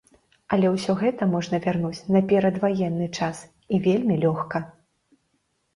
Але ўсё гэта можна вярнуць на перадваенны час, і вельмі лёгка.